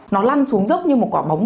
nó lăn xuống dốc như một quả bóng